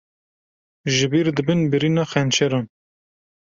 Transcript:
Jibîr dibin birîna xençeran